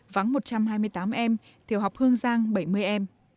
vắng một trăm hai mươi tám em tiểu học hương giang bảy mươi em